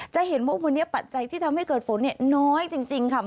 จะเห็นว่าวันนี้ปัจจัยที่ทำให้เกิดฝนน้อยจริงค่ะ